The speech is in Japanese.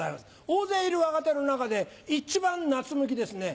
大勢いる若手の中で一番夏向きですね。